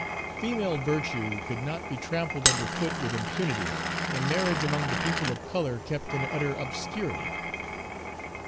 Female virtue could not be trampled under foot with impunity, and marriage among the people of color kept in utter obscurity.